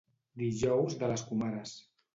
Dijous de les comares.